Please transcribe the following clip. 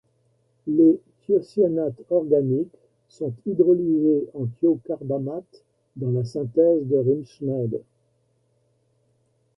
Les thiocyanates organiques sont hydrolysés en thiocarbamates dans la synthèse de Riemschneider.